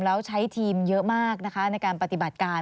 แล้วใช้ทีมเยอะมากนะคะในการปฏิบัติการ